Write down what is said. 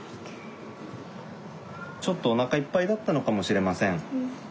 ちょっとおなかいっぱいだったのかもしれません。